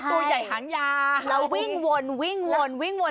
ตัวใหญ่หางยาแบบนี้เราวิ่งวนวิ่งวน